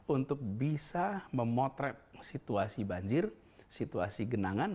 untuk bisa memotret situasi banjir situasi genangan